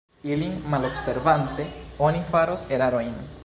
Ilin malobservante oni faros erarojn.